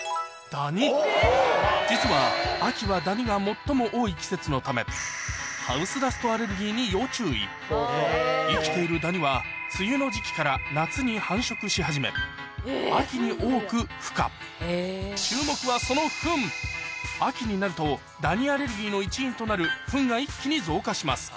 実は秋はダニが最も多い季節のため生きているダニは梅雨の時期から夏に繁殖し始め秋に多く孵化秋になるとダニアレルギーの一因となるフンが一気に増加します